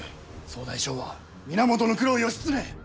総大将は源九郎義経。